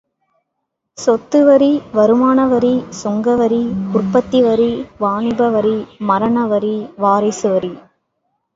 சொத்து வரி, வருமான வரி, சுங்க வரி, உற்பத்தி வரி, வாணிப வரி, மரண வரி, வாரிசு வரி.